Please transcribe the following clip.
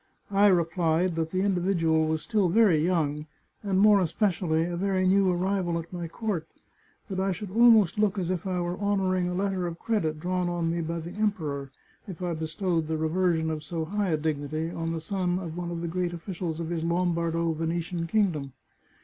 I replied that the individual was still very young, and more especially a very new arrival at my court; that I should almost look as if I were honouring a letter of credit drawn on me by the Emperor if I bestowed the re version of so high a dignity on the son of one of the great officials of his Lombardo Venetian kingdom.